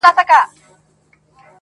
o یو که بل وي نو څلور یې پښتانه وي,